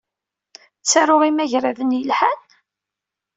Ttaruɣ imagraden yelhan?